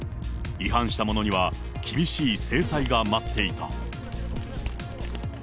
違反した者には、厳しい制裁が待っていた。